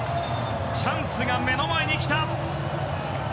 チャンスが目の前に来た。